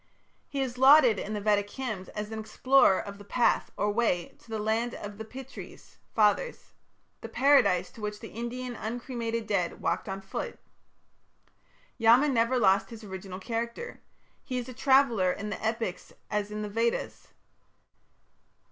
He is lauded in the Vedic hymns as the explorer of "the path" or "way" to the "Land of the Pitris" (Fathers), the Paradise to which the Indian uncremated dead walked on foot. Yama never lost his original character. He is a traveller in the Epics as in the Vedas.